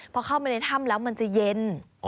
พอเข้าไปในถ้ำแล้วมันจะเย็น